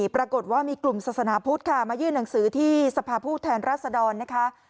ปรากฏว่ามีกลุ่มศาสนาพุทธค่ะมายื่นหนังสือที่สภาพผู้แทนรัศดรนะคะ